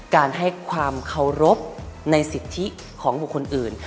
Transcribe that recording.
การให้ความเคารพในสิทธิของบุคคลอื่น